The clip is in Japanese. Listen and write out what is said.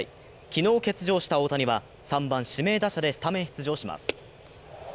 昨日欠場した大谷は３番・指名打者でスタメン出場します。